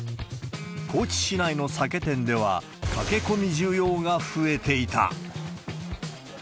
高知市内の酒店では、駆け込み需要が増えていた。